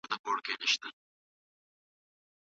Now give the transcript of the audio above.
تاسو باید په خپلو خبرو کې له احتیاط څخه کار واخلئ.